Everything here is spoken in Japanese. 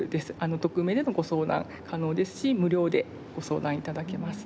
匿名でもご相談可能ですし無料でご相談頂けます。